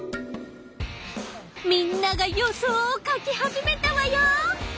みんなが予想を書き始めたわよ！